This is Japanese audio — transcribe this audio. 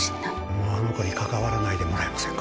もうあの子に関わらないでもらえませんか。